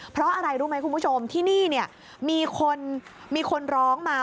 เพราะอะไรรู้ไหมคุณผู้ชมที่นี่มีคนร้องมา